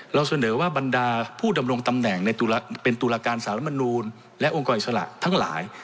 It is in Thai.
เราเสนอว่าบรรดาผู้ดำรงตำแหน่งในเป็นตุลาการสารมนูลและองค์กรอิสระทั้งหลาย